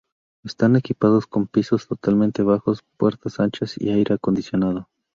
Están equipados con pisos totalmente bajos, puertas anchas y aire acondicionado.